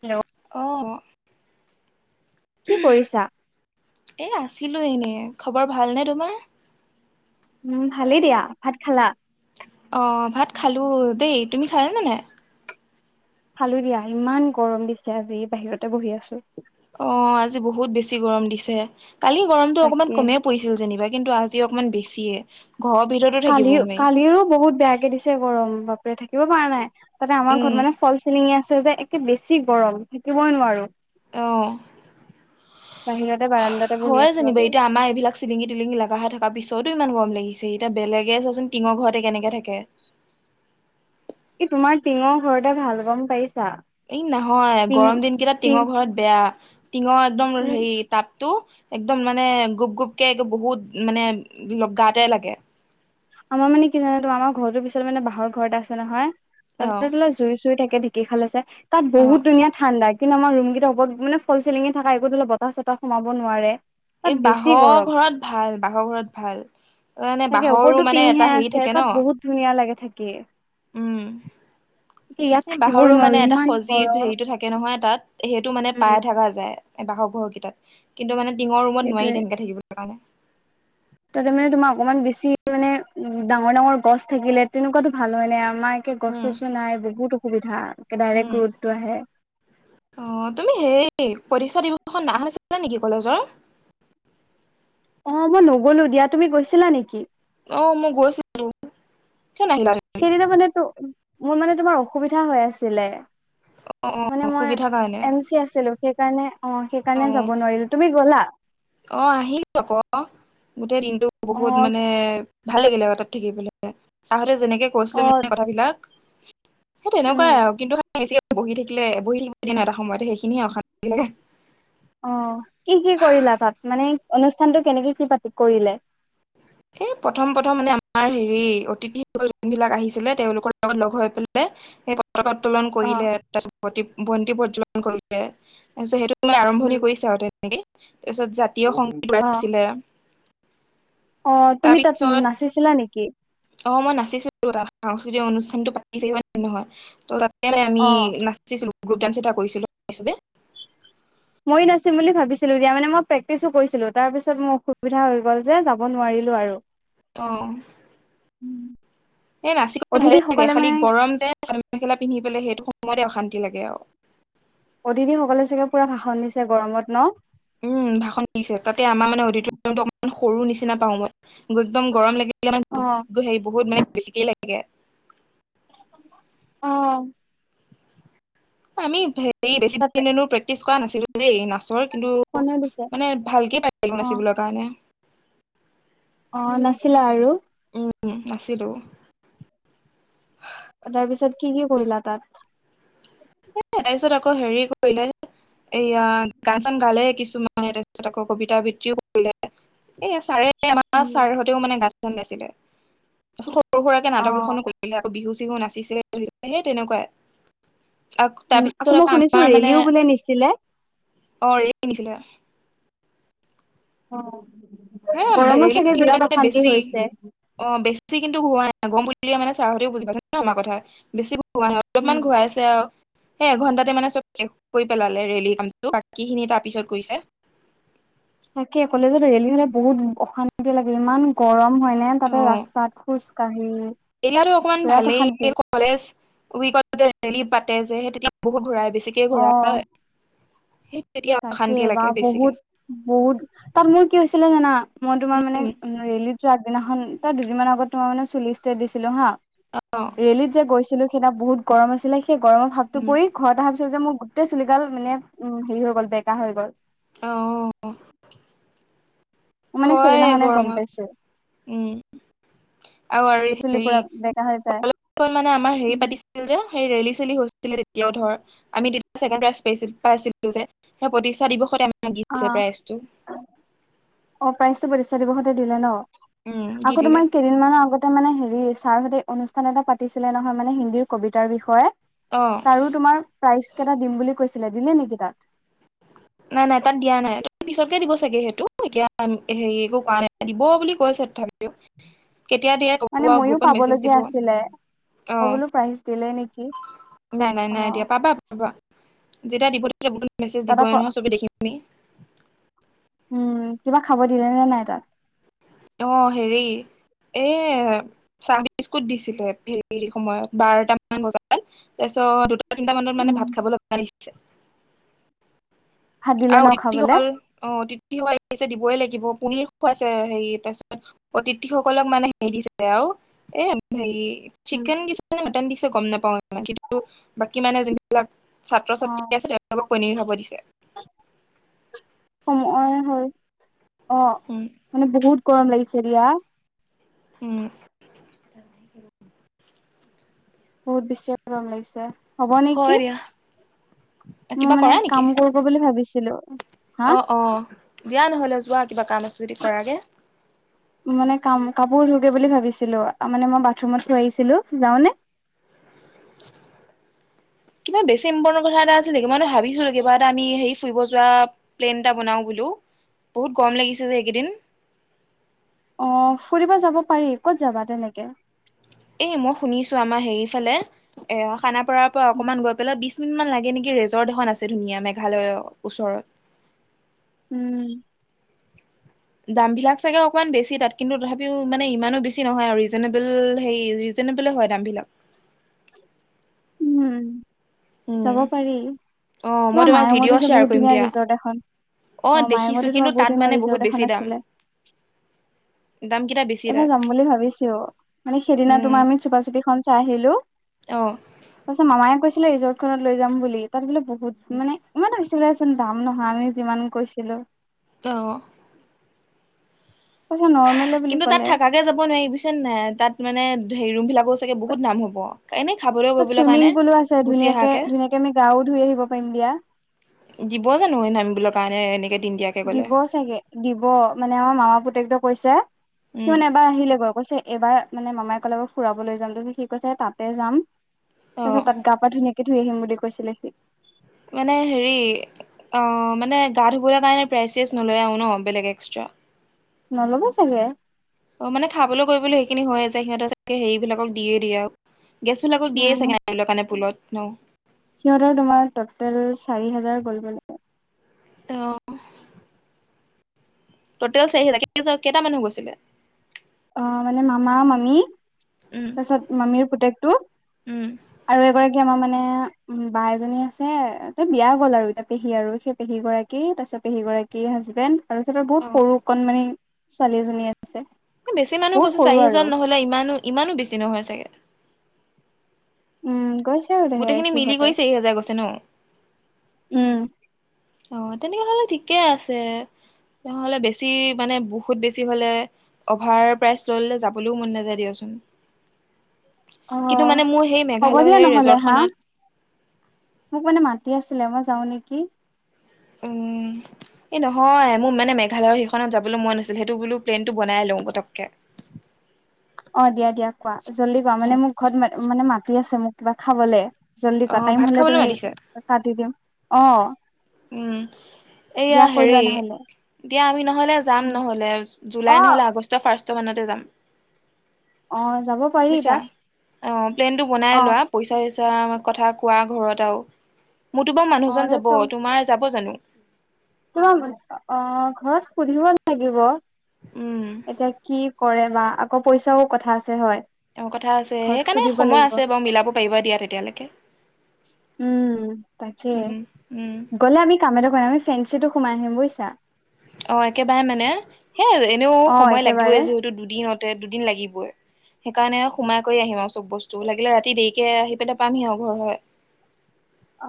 Hello. অঁহ কি কৰিছা? এ আছিলো এনে খবৰ ভালনেে তোমাৰ? উঁম ভালেই দিয়া, ভাত খালা? অ ভাত খালো দেই তুমি খালা নে নাই। খালোঁ দিয়া ইমান গৰম দিছে আজি বাহিৰতে বহি আছো। অ', আজি বহুত বেছি গৰম দিছে। কালি গৰমতটো অকমান তাকে কমে পৰিছিল যেনিবা কিন্তু আজি অকনমান বেছিয়ে। ঘৰৰ ভিতৰতো থাকিব কালি নোৱাৰি কালিৰো বহুত বেয়া। কে দিছে গৰম বাপৰে থাকিব পৰা নাই তাতে আমাৰ উম, ঘৰত মানে ফল চিলিঙি আছে যে। একে বেছি গৰম থাকিবই নোৱাৰোঁ। অহ। বাহিৰতে বাৰাণ্ডাতে বহি হয় আছো আৰু। যেনিবা এতিয়া আমাৰ এইবিলাক চিলিঙি টিলিঙগি লগা হৈ থকা পিছতো ইমান গম লাগে। ছে এতিয়া বেলেগে চোৱাচোন টিঙৰ ঘৰতে কেনেকে থাকে। ই তোমাৰ টিঙৰ ঘৰতে ভাল গম পাইছে। এই নহয় গৰম দিন কেইটা টিং টিঙৰ ঘৰত বেয়া টিঙৰ একদম উম হেৰি তাপ। টো একদম মানে গুপ গুপকে বহুত মানে গাতে লাগে। আমাৰ মানে কি জানো ত আমাৰ ঘৰটোৰ পিছত মানে বাহহৰ ঘৰতে আছে নহয় অ তাতে ত জুই চুই থাক। ঢেঁকী হাল আছে তাত অ বহুত ধুনীয়া ঠাণ্ডা। কিন্তু আমাৰ ৰুম কেইটা হবত মান ফ চিলিঙে থাকা একোতো বতাহ- চতাহ সোমাব নোৱাৰে। তাত এই বেছি বাঁহৰ গৰম ঘৰত ভাল বাঁহৰ ঘৰত ভাল এ বাঁহৰো মানে। টিঙহে এটা হেৰি আছে থাকে ন তাত বহুত ধুনীয়া লাগে থাকে। উম এই থাকিবই বাহৰো নোৱাৰো মানে এটা ইমান সজীৱ গৰম হেৰিতটো থাকে নহয় তাত। সেইটো মানে উম পাই থাকা যায় বাহঁঘৰ কেইটাত কিন্তু মানে টঙৰ ৰুমত সেইটোয়ে নোৱাৰি তেনেকে থাকিব। [unintelligible] তাতে মানে তোমাৰ অকমান বেছি মানে উ ডাঙৰ ডাঙৰ গছ থাকিলে তেনেকুৱাতো ভাল হয় নাই। আমাৰে গছ উম চছ নাই বহুত অসুবিধাে উম ডাইৰেক্ট ৰ'দটো আহে। অ তুমি হেই পৰক্ষা দিৱসখন না শনিছিলা নেকি কলেজৰ। অ মই নগলো দিয়া তুমি গৈছিলা নেকি? অ মই গৈছিলো। কিয় নাহিলা সেইদিনা মানে ত মোৰ মানে তোমাৰ অসুবিধা হৈ আছিলে। অ অ মানে মই অসুবিধাৰ কাৰণে এম চি আছিলো সেই। সেইকাৰণে অ সেইকাৰণে অ যাব নোৱাৰিলো তুমি গ'লা। অ আহিল আকৌ গোটেই দিনতটো অ বহুত মানে। ভাল লাগিলে তাত থাকিবলৈ চাহঁতে যেনেকে কৈছিলে অ মানে কথাবিলাক। সেই তেনেকুৱাই উম আৰু কিন্তু। বেছিকে বহি থাকিলে বহি থাকিব দিয়ে ন এটা সময়তে সেইখিনিয়ে অশান্ত লাগিলে্ অ কি কি কৰিলা তাত মানে অনুষ্ঠানটো কেনেকে কি পাতি কৰিলে। স প্ৰথম প্ৰথম মানে আমাৰ হেৰি অতিথি যোনবিলাক আহিছিলে তেওঁলোকৰ লগত লগ হৈ পেলাই। উত্তোলন অ কৰিলে তাৰপিছত বন্তি প্ৰজ্বলন কৰিলে তাৰপিছ সেইটো। আৰম্ভণি উম কৰিছে আৰু তেনেকে তাৰপিছত জাতীয় সংগীত অ আছিলে। অ তুমি তাত নাচিছিলা নেকি। অ মই নাচিছো তাত সাংস্কৃতিক অনুষ্ঠানটো পাতি ন নহয় ত' তাত। অ আমি নাচিছিলো গ্ৰুপ ডান্স এটা কৰিছিলো চবে। মই নাচিম বুলি ভাবিছিলো দিয়া মানে মই প্ৰেক্টিচো কৰিছিলো তাৰ পিছত মোৰ অসুবিধা হৈ গল যে যাব নোৱাৰি। নোৱাৰিলোঁ আৰু। অ। উম। এই নাচিব ভালেই লাগে খালি গৰম যে চ মেখেলা পিন্ধি পেলাই সেইটো সময়তে অশান্তি লাগে আৰু। অতিথি সকলে চাগে পুৰা ভাষণ দিছে গৰমত ন। উম ভাষণ দিছে তাতে আমাৰ মানে অডিটৰিয়ামটো অমান সৰু নিচিনা পাও মই একদম গৰম অ লাগে। বহুত মানে বেছিকেই লাগে। অ আমি হে বেছি তাতে দো প্ৰেক্টিচ কৰা নাছিলো যে এই ন। মাছৰ কিন্তু ভাষণে দিছে মানে ভালকে পাইছিলো অ নাচিবলৈৰ কাৰণে। অ নাছিলা আৰু নাছিলো। তাৰপিছত কি কি কৰিলা তাত। এ তাৰ পিছত আকৌ হেৰি কৰিলে। এইয়া গান চান গালে কিছুমানে তাৰপিছত আকৌ কবিতা আবিত্তিও কৰিলে। এইয়া চাৰে আমাৰ ছাৰহঁতেও মানে গা চান গাইছিলে আৰু সৰু সুৰাকে অ নাটক এখনো কৰিলে আকৌ বিহু নাচিছিলে সেই তেনেকুৱাই। আ উম তাৰপিছত মই আকৌ শুনিছো আমাৰ মানে ৰেলীও বোলে নিছিলে। অ এই কিনিছিলে। অ। হে ৰেলী কিন্তু মানে বেছি হৈছে অ বেছি কিন্তু হোৱা নাই। ন গম বুল দিয়ে মানে ছাহঁতেও বুজি পাইছে ন আমাৰ কথা বেছ নাই উম। অলপমান ঘূৰাই আছে আৰু হে এঘন্টাতে মানে চব শষ পেলালে ৰেল কাম বাকীখিনি তাৰ পিছত কৈছে। তাকে কলেজত ৰেলি হলে বহুত অশান্তি লাগে ইমান গৰম। হয়নে তাতে ৰাস্তাত খোজ কাঢ়ি এইো অকমান বিৰাট অশান্তি ভালেই কলেজ উইকতনেৰেলি পাতে যে স তেতিয়া বহুত ঘূৰাই বেছিকে অ ঘূৰা হয়। তাকে বা বহুত বহুত তাত মোৰ কি হৈছিলে জানা। মই তোমাৰ মানে উম ৰেলীতো আগদিনাখন তাৰ দুদিনমান আগত তোমাৰ মানে চুলি ষ্টেত দিছিলো হা। অ ৰেলীত যে গৈছিলো সেইদিনা বহুত গৰম আছিলে সেই গৰমৰ ভাৱটো উম পৰি ঘৰত আহা- পিছত যে মোৰ গোটেই চুলিগাল মানে উম হেৰি হৈ গ'ল বেকা হৈ গ'ল। অহঁ। মই মানে হয় সেইদিনাখনে গম পাইছো গৰমত উমঁ। আৰু আৰু চুলি হেৰি পুৰা বেকা হৈ যায় কলেজত মানে আমাৰ হেৰি পাতিছিল যে। সেই ৰেলি চেলি হৈছিলে তেতিয়াও ধৰ। আমি তেতিয়া ছেকেণ্ড প্ৰাইজ পাইছিলো যে সেই প্ৰতিষ্ঠা দিৱসত আমি- মাগিছে প্ৰাইজটো। অঁ প্ৰাইজটো পতিষ্ঠা দিৱসতে দিলে ন। উম দি আকৌ দিলে তোমাৰ কেইদিনমানৰ আগত- মানে সেৰি ছাৰ সতে অনুষ্ঠান এটা পাতিছিলে নহয় মানে হিন্দীৰ কবিতাৰ বিষয়ে। অ তাৰো তোমাৰ প্ৰাইজ কেইটা দিম বুলি কৈছিলে। দিলে নেকি তাত? নাই নাই তাত দিয়া নাই। ত পিছতকে দিব চাগে সেইটো এতিয়া সেৰি একো কৰা নাই দিব বুলি কৈছে- তথাপিওঁ। মানে মইও পাব লগীয়া আছিলে। অ মই বোলো প্ৰাইজ দিলে নেকি। নাই নাই অ নাই দিয়া। পাবা পাবা যেতিয়া দিব- মেছেজ তাত দিবয় আকৌ নহয় চবে দেখিম আমি। উমঁ কিবা খাব দিলে নে নাই তাত? অঁ সেৰি- এ চাহ বিস্কুট দিছিলে সেই সময়ত বাৰটা মান বজাত। তাৰপিছত দুটা তিনটা মানত মানে উম ভাত খাবলৈ মাতিছে। ভাত দিলে আৰু ন অতিথি খাবলে সকল অ অতিথি সকল আহিছে দিবই লা- গিব। পনিৰ খুৱাইছে সেৰি তাৰপিছত অতিথি সকলক মানে সেৰি দিছে আৰু- এ সেৰি উম চিকেন দিছে নে মাটন দিছে গম নাপাও ইমান। কিন্তু বাকী মানে এজনী- যিলাক ছাত্ৰ অ ছাত্ৰী আছে তেওঁলোকক পনিৰ খাব দিছে। মই হ'ল অঁ উম মানে বহুত গৰম লাগিছে দিয়া। উমঁ। মোৰ বেছিয়ে গৰম লাগিছে। হ'ব হয় নেকি, দিয়া কিবা মোৰ মানে কাম কৰোগৈ বুলি ভাবিছিলো। হা অঁ অঁ দিয়া নহ'লে যোৱা কিবা কাম আছে যদি কৰাগে। মানে কাম কাপোৰ ধোগে বুলি ভাবিছিলো। তাৰ মানে মই বাথৰুমত [unintelligible] আহিছিলো। যাওঁ নে? কিবা বেছি ইম্পৰ্টেণ্ট কথা এটা আছিল নেকি। মই এনেই ভাবিছিলো কিবা এটা আমি সেৰি- [unintelligible] ফুৰিব যোৱা প্লেন এটা বনাও বোলো। বহুত গৰম লাগিছে যে এইকেইদিন। [unintelligible] অঁ ফুৰিব যাব পাৰি ক'ত যাবা তেনেকে? এই মই শুনিছো আমাৰ হেৰি ফালে এ খানাপাৰাৰ পৰা অকনমান গৈ পেলাই বিশ- মিনিটমান লাগে নেকি ৰেজৰ্ট এখন আছে ধুনীয়া মেঘালয়ৰ ওচৰত। উমঁ। দামবিলাক চাগে অকণমান বেছি তাত কিন্তু তথাপিও মানে ইমানো বেছি নহয় আৰু ৰিজনেবল হেৰি ৰিজনেবল- [unintelligible] হয় দামবিলাক। [unintelligible] [inaudible] উম যাব উমঁ পাৰি অঁ মই তোমাৰ তোমাক ভিডিঅ' মায়ঙতো যে শ্বেয়াৰ বহুত কৰিম ধুনীয়া দিয়া। ৰিজৰ্ট এখন অঁ অ দেখিছো মায়ঙতো কিন্তু তোমাৰ বহুত তাত ধুনীয়া মানে ৰিজৰ্ট বহুত এখন বেছি দাম। আছিলে দাম- [unintelligible] এবাৰ তাত যাম বুলি ভাবিছো মানে সেইদিনা উম তোমাৰ আমি চোপা চুপিখন চায় আহিলো। [unintelligible] অ তাৰপিছত মামায়ে কৈছে- বোলে ৰিজৰ্ট খনত লৈ যাম বুলি। তাত বোলে বহুত মানে ইমান আৰু [unintelligible] দাম নহয় আমি যিমান কৈ- ছিলো। অঁ। কৈছে নৰ্মেলে বুলি কিন্তু তাত ক'লে থাকাকে যাব নোৱাৰি বুজিছে নে নাই। তাত মানে হেৰি ৰুম বিলাকো চাগে বহুত দাম হ'ব। এনেই খাবলৈ তাত কৰিবলৈ চুইমিং কাৰণে পুলো আছে গুচি ধুনীয়াকে অহাকে ধুনীয়াকে আমি গাও ধুই আহিব পাৰিম দিয়া। দিব জানো সেই নামিবলে কাৰণে। এনেকে দিনদিয়াকে গ'লে দিব চাগে দিব মানে আমাৰ মামা পুতেক তোয়ে কৈছে- উম সি মানে এবাৰ আহিলে গৈ, কৈছে এবাৰ- মানে মামাই ক'লে ক ফুৰাবলৈ যাম তাপিছত সি কৈছে তাতে যাম অ তাপিছত তাত গা পা ধুনীয়াকে ধুই আহিম বুলি কৈছিলে সি। মানে হেৰি! অঁ মানে গা ধুবলে কাৰণে প্ৰাইজ শ্ৰাইজ নলয় আও ন বেলেগ এক্সট্ৰা। নল'ব চাগে। অ মানে খাবলৈ কৰিবলৈ সেইখিনি হৈয়ে যায়। সিহঁতে চাগে হেয়ি বিলাকক দিয়ে দিয়ে আও। [unintelligible] গেছবিলাকক দিয়ে উম চাগে নামিবলে কাৰণে পুলত ন। [unintelligible] সিহঁতৰ তোমাৰ ট'টেল চাৰি হাজাৰ কৰিব লাগে। অঁহ। টটেল চাৰি হাজাৰ। কেজ কেইটা মানুহ গৈছিলে? অঁ মানে মামা মামি উম তাপিছত মামীৰ পুতেকটো উম আৰু এগৰাকী আমাৰ মানে বা এজনী আছে ত বিয়া গ'ল আৰু এতিয়া পেহী আৰু সেই পেহী গৰাকী তাপিছত [unintelligible] পেহী গৰাকী হাজবেন্দ আৰু হেতৰ বহুত অ সৰু কন মানি ছোৱালীএজনী আছে। বেছি মানুহ বহুত গৈছো চাৰি সৰু হোজাৰ আৰু নহ'লে ইমানো ইমানো বেছি নহয় চাগে। [unintelligible] উম গৈছে আৰু দে গোটেইখিনি মিলি কৰি সিহঁতে চাৰি হেজাৰ গৈছে ন? উম। অ তেনেকে হলে ঠিকে আছে। তেহ'লে বেছি মানে বহুত বেছি হলে অভাৰ প্ৰাইজ লৈলে যাবলেও মন নাযায় দিয়াচোন। উম আহ সেই হ'ব মেঘালয় দিয়া সেই নহ'লে হা। ৰিজৰ্টখনত মোক মানে মাতি আছিলে মই যাওঁ নেকি। উহ। এই নহয় মোৰ মানে মেঘালয়ৰ সেইখনত যাবলৈ মন আছিল সেইটো বোলো প্লেনটো বনাই লওঁ পটককে। [unintelligible] [inaudible] অঁ দিয়া দিয়া কোৱা জল্দি কোৱা মানে মোক ঘত মানে মাতি আছে মোক কিবা খাবলে। জল্দি কোৱা অ' টাইম ভাত হলে খাবলৈ তুমি মাতিছে? কাটি দিম অ। উম! এইয়া দিয়া কৈ লোৱা হেৰি। নহ'লে দিয়া আমি নহ'লে যাম নহ'লে জুলাই অ নহ'লে আগষ্ট ফাৰ্ষ্ট মানতে যাম। অ যাব পাৰি বুইছা তাত অঁ প্লেন টো বনাই অ লোৱা পইচাইচ আ কথা কোৱা ঘৰত আও মোৰতো বা অ মানুহজন যাব। তোমাৰ যাব জানো? তোমা অ ঘৰত সুধিব লাগিব। উম এতিয়া কি কৰে বা আকৌ পইচাও কথা আছে হয়। তেওঁ কথা আছে ঘৰত সেইকাণে সুধিব সময় লাগিব আছে বাও মিলাব পাৰিবা দিয়া তেতিয়ালেকে। উম তাকে উম উম গ'লে আমি কাম এটা কৰিম আমি ফেঞ্চিটো সোমাই আহিম বুইছা। অঁ একেবাৰে মানে সেই এনেও অ সময় একেবাৰে লাগিবই যিহেতু, দুদিনতে দুদিন লাগিবই। সেইকাৰণে সোমাই কৰি আহিম আৰু চব বস্তু লাগিলে ৰাতি দেৰিকে আহি পেলো পামহি আও ঘৰ হয়।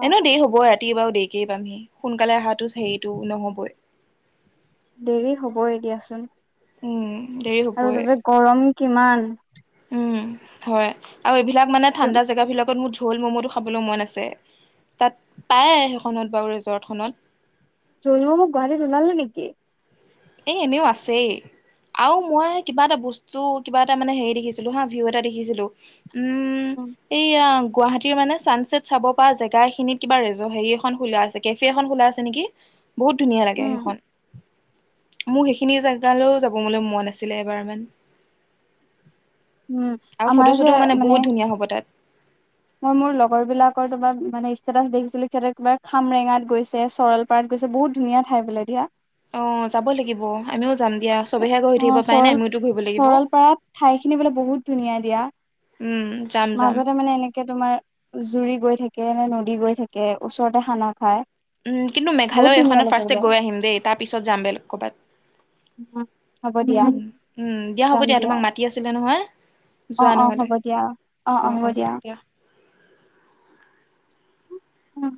অ এনেও দেৰি হ'বই ৰাতি বাও দেৰিকেই পামহি সোনকালে অহাটো হেয়িটো নহবই। দেৰি হব এ দিয়াচোন উম দেৰি আৰু হ'বই তাতে গৰম কিমান। উম হয়। আৰু এইবিলাক মানে ঠাণ্ডা জেগাবিলাকত মো জো ভুল ম'ম'টো খাবলৈ মন আছে। তাত পায় সেইখনত বাৰু ৰিজৰ্টখনত। জুনু গুৱাহাটীত ওলালে নেকি? এই এনেও আছেই। আও মই কিবা এটা বস্তু কিবা এটা মানে হেয়ি দেখিছিলো হা ভিউ এটা দেখিছিলো। উম এইয়া। গুৱাহাটীৰ মানে চানচেট চাব পৰা জেগা খিনিত কিবা ৰিজ হেয়ি এখন খোলা আছে কেফে এখন খোলা আছে নেকি। বহুত ধুনীয়া লাগে উম সেইখন। মো সেইখিনি জেগালৈও যাবলে মন আছিলে এবাৰ মান। উম আৰু আমাৰ ফটো যে চটোও মানে বহুত ধুনীয়া হ'ব তাত। মই মোৰ লগৰ বিলাকৰ জবাব মানে ষ্টেটাচ দেখিছিলো সিহঁতে কিবা খামৰেঙাত গৈছে চৰলপাৰাত গৈ, কৈছে বহুত ধুনীয়া ঠাই বোলে দিয়া, অ যাব লাগিব আমিও যাম দিয়া চবেহে ঘূৰি অ থাকিব পাই নাই আমিওতো ঘূৰিব লাগিব। কিনিবলে বহুত ধুনীয়া দিয়া উম যাম যাম মাজতে মানে এনেকে তোমাৰ জুৰি গৈ থাকে নে নদী গৈ থাকে ওচৰতে খানা খায় উম কিন্তু মেঘালয় এখনৰ ফাৰ্ষ্টে গৈ আহিম দেই তাৰ পিছত যাম বেলেগ ক'বাত হ'ব দিয়া উ উম দিয়া হ'ব দিয়া তোমাক মাতি আছিলে নহয়। অ যোৱা অ নহলে হ'ব দিয়া অ অ দিয়া উম